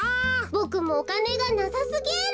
ボクもおかねがなさすぎる！